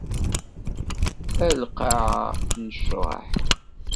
A lqaɛa, nnecraḥ!